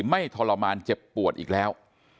ทรมานเจ็บปวดอีกแล้ว